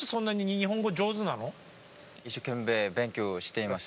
一生懸命勉強しています。